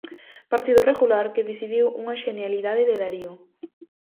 Partido regular que decidiu unha xenialidade de Darío.